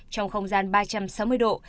trong không gian ba trăm sáu mươi độ